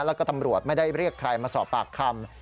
แล้วก็ตำรวจไม่ได้เรียกใครมาสอบปากคำ